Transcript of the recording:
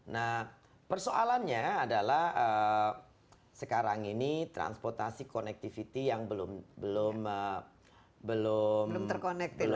nah persoalannya adalah sekarang ini transportasi connectivity yang belum terkonektivitas